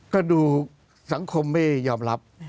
ก็ดูสังคมไม่ยอมรับ